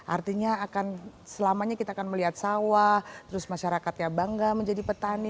artinya selamanya kita akan melihat sawah terus masyarakat ya bangga menjadi petani